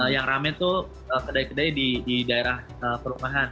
yang rame tuh kedai kedai di daerah perumahan